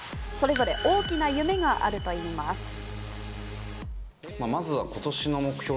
それぞれ大きな夢があるといいます。